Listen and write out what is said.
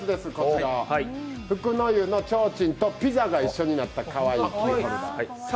福の湯のちょうちんとピザが一緒になったキーホルダー。